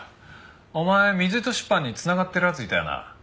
お前水糸出版に繋がってる奴いたよな？